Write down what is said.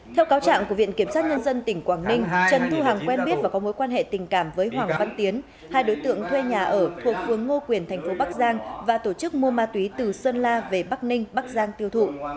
theo cáo trạng của viện kiểm sát nhân dân tỉnh quảng ninh trần thu hằng quen biết và có mối quan hệ tình cảm với hoàng văn tiến hai đối tượng thuê nhà ở thuộc phương ngô quyền thành phố bắc giang và tổ chức mua ma túy từ sơn la về bắc ninh bắc giang tiêu thụ